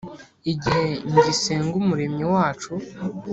Igihe ngisenga Umuremyi wacu